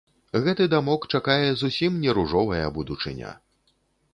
Гэты дамок чакае зусім не ружовая будучыня.